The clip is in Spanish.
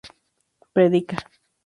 predica